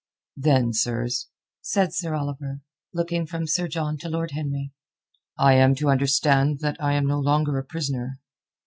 "Then, sirs," said Sir Oliver, looking from Sir John to Lord Henry, "I am to understand that I am no longer a prisoner."